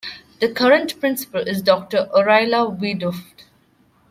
The current principal is Doctor Oryla Wiedoeft.